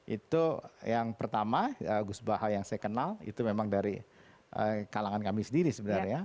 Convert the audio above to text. itu yang pertama gus baha yang saya kenal itu memang dari kalangan kami sendiri sebenarnya